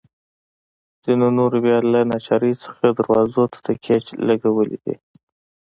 ځینو نورو بیا له ناچارۍ څخه دروازو ته تکیې لګولي وې.